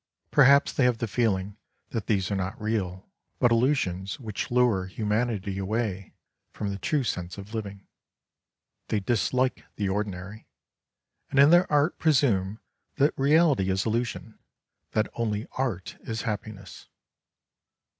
Perhaps they have the feeling that these are not real, but illusions which lure humanity away from the true sense of living. They dislike the ordinary, and in their art presume that reality is illusion, that only art is happiness.